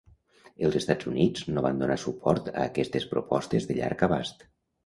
Els Estats Units no van donar suport a aquestes propostes de llarg abast.